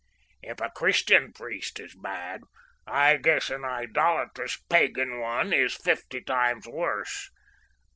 If a Christian priest is bad, I guess an idolatrous pagan one is fifty times worse.